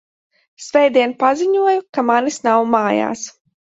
Svētdien paziņoju, ka manis nav mājās!